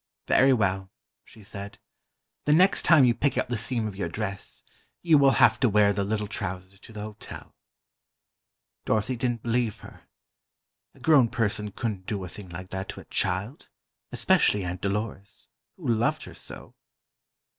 "Very well," she said, "the next time you pick out the seam of your dress, you will have to wear the little trousers to the hotel." Dorothy didn't believe her. A grown person couldn't do a thing like that to a child—especially Aunt Dolores, who loved her so.